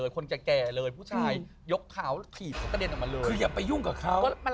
ไปดูกันอีกหรอ